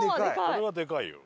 これはでかいよ。